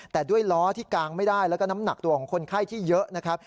แต่ด้วยล้อที่กางไม่ได้แล้วก็น้ำหนักตัวของคนไข้ที่เยอะนะครับ